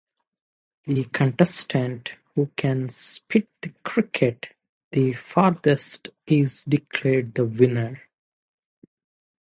The contestant who can spit the cricket the farthest is declared the winner.